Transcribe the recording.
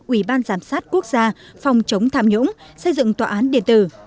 ủy ban giám sát quốc gia phòng chống tham nhũng xây dựng tòa án điện tử